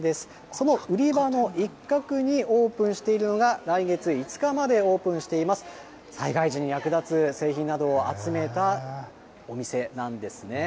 その売り場の一角にオープンしているのが、来月５日までオープンしています、災害時に役立つ製品などを集めたお店なんですね。